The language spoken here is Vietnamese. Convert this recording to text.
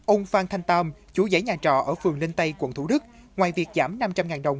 ông phan thanh tam chủ giải nhà trọ ở phường linh tây quận thủ đức ngoài việc giảm năm trăm linh đồng